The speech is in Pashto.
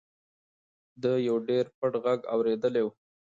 ده یو ډېر پټ غږ اورېدلی و.